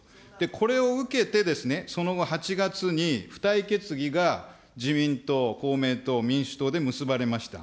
これを受けてですね、その後８月に付帯決議が自民党、公明党、民主党で結ばれました。